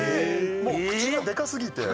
もう口がでかすぎて。